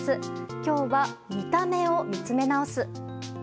今日は、見た目を見つめ直す。